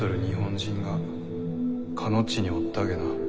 日本人がかの地におったげな。